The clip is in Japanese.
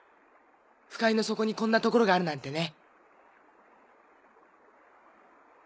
腐海の底にこんな所があるなんてね。